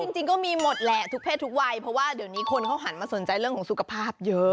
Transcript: จริงก็มีหมดแหละทุกเพศทุกวัยเพราะว่าเดี๋ยวนี้คนเขาหันมาสนใจเรื่องของสุขภาพเยอะ